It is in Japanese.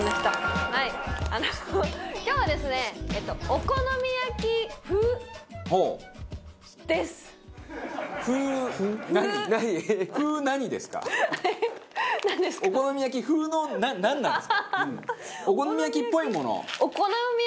お好み焼きっぽいもの？